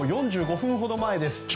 ４５分ほど前です。